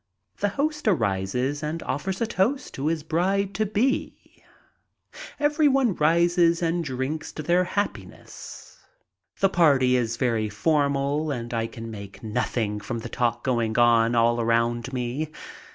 The host arises and offers a toast to his bride to be. Everyone rises and drinks to their happiness. The party is very formal and I can make nothing from the talk going on all about me.